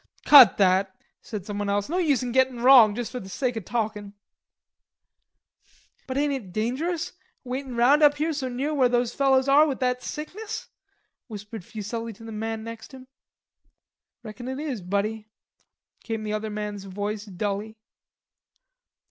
"Cut that," said someone else, "no use gettin' in wrong juss for the sake of talkin'." "But ain't it dangerous, waitin' round up here so near where those fellers are with that sickness," whispered Fuselli to the man next him. "Reckon it is, buddy," came the other man's voice dully.